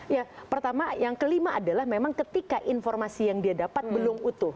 ya pertama yang kelima adalah memang ketika informasi yang dia dapat belum utuh